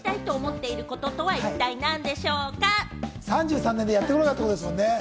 ３３年でやってこなかったことですもんね？